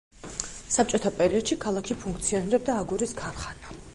საბჭოთა პერიოდში ქალაქში ფუნქციონირებდა აგურის ქარხანა.